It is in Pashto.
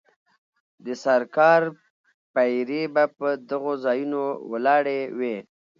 د سرکار پیرې به په دغو ځایونو ولاړې وې.